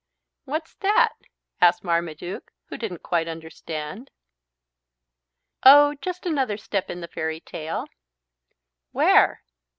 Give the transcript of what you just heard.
"What's that?" asked Marmaduke who didn't quite understand. "Oh, just another step in the fairy tale." "Where?"